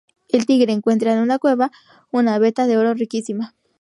El Tigre encuentra en una cueva una veta de oro riquísima.